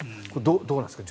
どうなんですか。